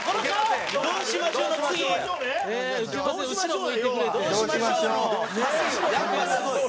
「どうしましょう？」よ。